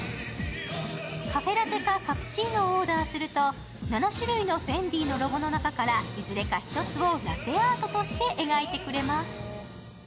カフェラテかカプチーノをオーダーすると、７種類のＦＥＮＤＩのロゴの中からいずれか１つをラテアートとして描いてくれます。